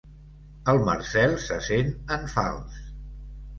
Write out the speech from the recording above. El Marcel se sent en fals.